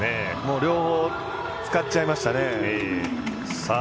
両方使っちゃいましたね。